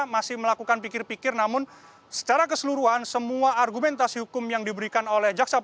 masih melakukan pikir pikir namun secara keseluruhan semua argumentasi hukum yang diberikan oleh jaksa penu